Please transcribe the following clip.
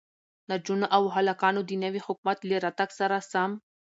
نجونو او هلکانو د نوي حکومت له راتگ سره سم